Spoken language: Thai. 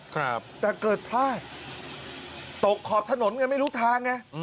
ครับแต่เกิดพลาดตกขอบถนนไงไม่รู้ทางไง